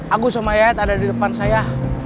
aku sama yait ada di depan saya